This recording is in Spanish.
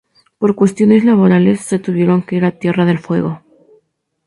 Por cuestiones laborales, se tuvieron que ir a Tierra del Fuego.